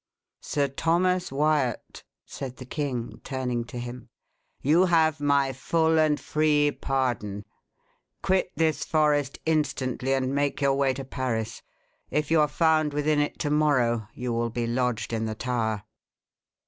"Sir Thomas Wyat," said the king, turning to him, "you have my full and free pardon. Quit this forest instantly, and make your way to Paris. If you are found within it to morrow you will be lodged in the Tower."